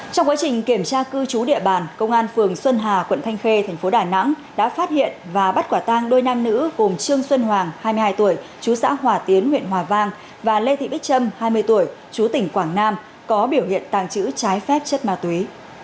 trong quá trình kiểm tra cư trú địa bàn công an phường xuân hà quận thanh khê thành phố đà nẵng đã phát hiện và bắt quả tang đôi nam nữ gồm trương xuân hoàng hai mươi hai tuổi chú xã hòa tiến huyện hòa vang và lê thị bích trâm hai mươi tuổi chú tỉnh quảng nam có biểu hiện tàng trữ trái phép chất ma túy